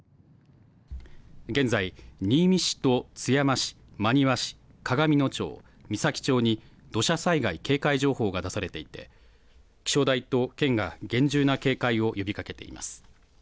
現在、新見市と津山市、真庭市、鏡野町、美咲町に、土砂災害警戒情報が出されていて、気象台と県が厳重な警戒を呼びかけています。